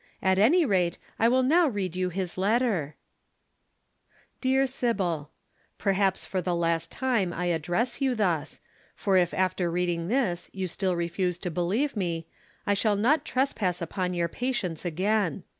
At any rate I will now read you his letter: "'DEAR SYBIL: "'Perhaps for the last time I address you thus, for if after reading this you still refuse to believe me, I shall not trespass upon your patience again.